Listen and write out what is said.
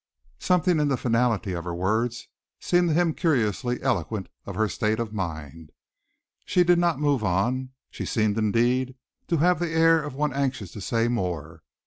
Something in the finality of her words seemed to him curiously eloquent of her state of mind. She did not move on. She seemed, indeed, to have the air of one anxious to say more.